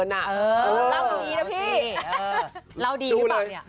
เราเล่าดีหรือเปล่า